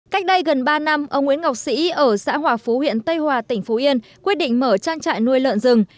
cách đây gần ba năm ông nguyễn ngọc sĩ ở xã hòa phú huyện tây hòa tỉnh phú yên quyết định mở trang trại nuôi lợn rừng